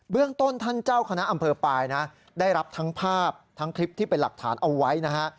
เรื่องต้นท่านเจ้าคณะอำเภอปลายนะได้รับทั้งภาพทั้งคลิปที่เป็นหลักฐานเอาไว้นะฮะ